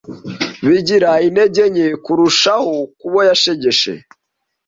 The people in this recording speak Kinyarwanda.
bigira intege nke kurushaho ku bo yashegeshe